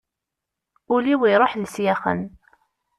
Ul-iw iruḥ d isyaxen.